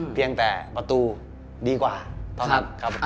เพียงแต่ประตูดีกว่า